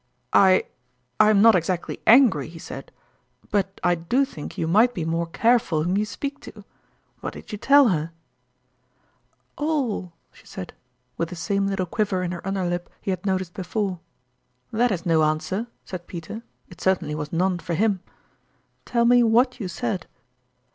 " I I am not exactly angry," he said ;" but I do think you might be more careful whom you speak to. What did you tell her ?"" All !" she said, with the same little quiver in her uriderlip he had noticed before. " That is no answer," said Peter (it certainly was none for him). " Tell me what you said